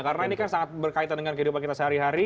karena ini kan sangat berkaitan dengan kehidupan kita sehari hari